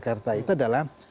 membereskan perbedaan pendapatan